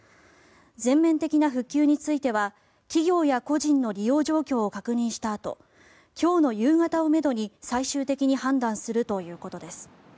全面的な復旧については企業や個人の利用状況を確認したあと今日の夕方をめどに、最終的に判断するということです。